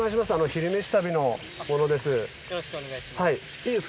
「昼めし旅」の者です。